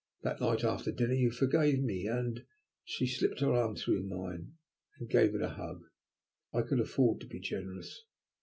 That night after dinner you forgave me and " She slipped her arm through mine and gave it a hug. I could afford to be generous.